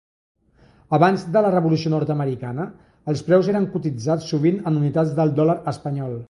Abans de la revolució nord-americana, els preus eren cotitzats sovint en unitats del dòlar espanyol.